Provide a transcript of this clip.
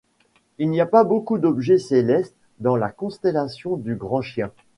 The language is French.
Il n'y a pas beaucoup d'objets célestes dans la constellation du Grand Chien.